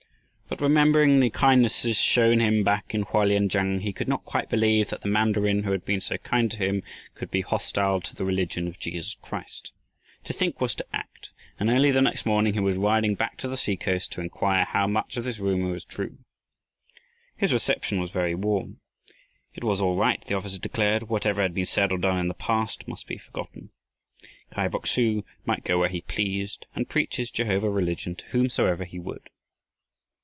But remembering the kindness shown him back in Hoe lien kang, he could not quite believe that the mandarin who had been so kind to him could be hostile to the religion of Jesus Christ. To think was to act, and early the next morning, he was riding back to the seacoast, to inquire how much of this rumor was true. His reception was very warm. It was all right, the officer declared. Whatever had been said or done in the past must be forgotten. Kai Bok su might go where he pleased and preach his Jehovah religion to whomsoever he would.